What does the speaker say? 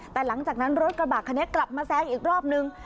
แต่หลังจากนั้นรถกระบะคันนี้กลับมาแซงอีกรอบนึง